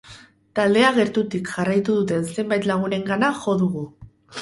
Taldea gertutik jarraitu duten zenbati lagunengana jo dugu.